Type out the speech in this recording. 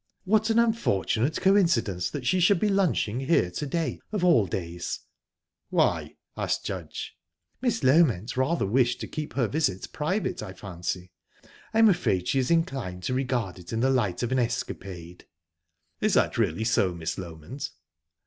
"What an unfortunate coincidence that she should be lunching here to day, of all days." "Why?" asked Judge. "Miss Loment rather wished to keep her visit private, I fancy. I'm afraid she is inclined to regard it in the light of an escapade." "Is that really so, Miss Loment?"